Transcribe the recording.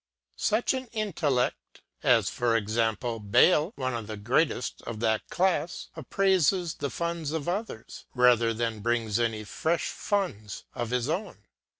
Such an intellect, as for example Bayle, one of the greatest of that class, appraises the funds of others, rather than brings any fresh funds of his own.